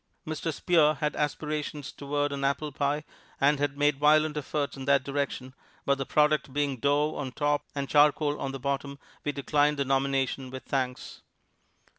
Mr. Spear had aspirations toward an apple pie and had made violent efforts in that direction, but the product being dough on top and charcoal on the bottom we declined the nomination with thanks.